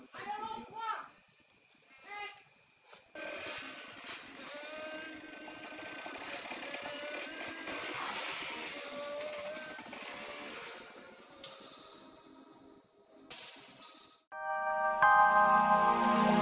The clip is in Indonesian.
tengah main mas mas